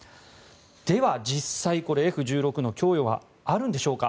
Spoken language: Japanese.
では、実際、Ｆ１６の供与はあるんでしょうか。